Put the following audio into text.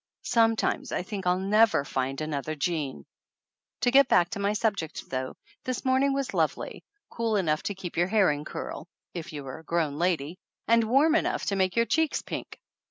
Some times I think I'll never find another Jean ! To get back to my subject, though, this morning was lovely cool enough to keep your hair in curl (if you were a grown lady) and warm enough to make your cheeks pink.